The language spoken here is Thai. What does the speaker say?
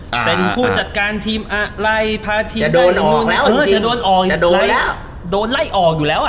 เป็นผู้จัดการทีมอะไรจะโดนออกแล้วโดนไล่ออกอยู่แล้ว